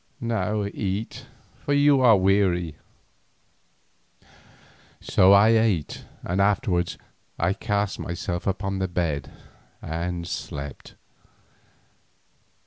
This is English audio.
Now eat, for you are weary." So I ate, and afterwards I cast myself upon the bed and slept.